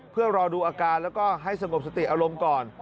เพื่อรอดูอาการแล้วก็ให้สงบสติอารมณ์ก่อน